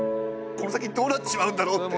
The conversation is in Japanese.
この先どうなっちまうんだろうって。